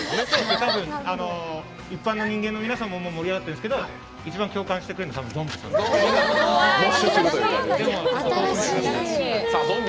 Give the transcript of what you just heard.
たぶん一般の人間の皆さんも盛り上がってるんですけど一番共感してくれるのはゾンビ。